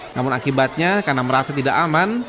namun akibatnya karena merasa tidak aman